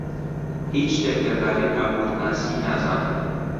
هیچ شتێک دەربارەی ئابوورناسی نازانم.